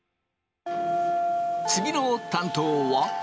次の担当は。